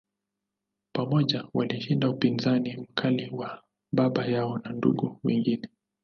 Pamoja, walishinda upinzani mkali wa baba yao na ndugu wengine.